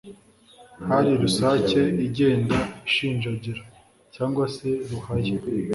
hari rusake igenda ishinjagira, cyangwa se ruhay